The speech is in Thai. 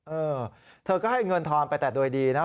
เออเธอก็ให้เงินทอนไปแต่โดยดีนะ